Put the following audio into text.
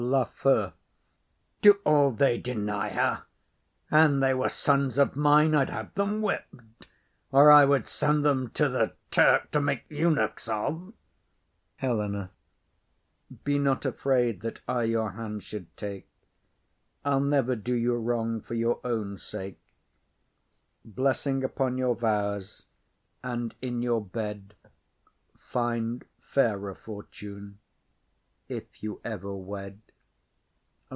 LAFEW. Do all they deny her? An they were sons of mine I'd have them whipp'd; or I would send them to th' Turk to make eunuchs of. HELENA. [To third Lord.] Be not afraid that I your hand should take; I'll never do you wrong for your own sake. Blessing upon your vows, and in your bed Find fairer fortune, if you ever wed!